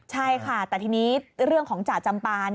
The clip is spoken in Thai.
ใช่ค่ะแต่ทีนี้เรื่องของจ่าจำปา